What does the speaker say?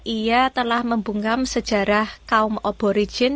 ia telah membungkam sejarah kaum oborigin